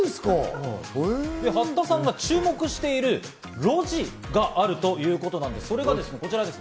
八田さんが注目している路地があるということで、それがこちらです。